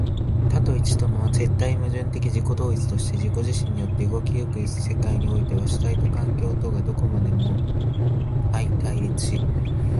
多と一との絶対矛盾的自己同一として自己自身によって動き行く世界においては、主体と環境とがどこまでも相対立し、